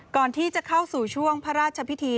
ก่อนที่จะเข้าสู่ช่วงพระราชพิธี